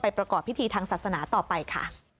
ประกอบพิธีทางศาสนาต่อไปค่ะ